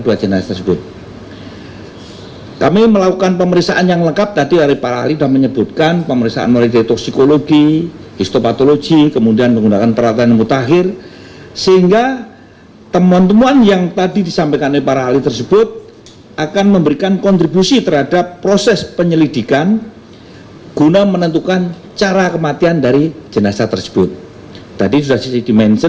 assalamualaikum warahmatullahi wabarakatuh